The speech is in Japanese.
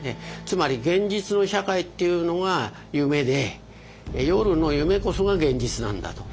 つまり現実の社会っていうのが夢で夜の夢こそが現実なんだと。